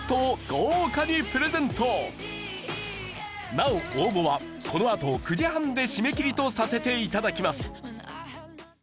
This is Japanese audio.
なお応募はこのあと９時半で締め切りとさせて頂きます。